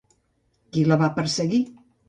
Qui la va perseguir?